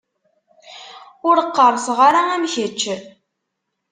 Ur qqerṣeɣ ara am kečč.